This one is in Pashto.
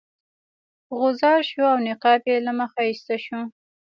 غوځار شو او نقاب یې له مخه ایسته شو.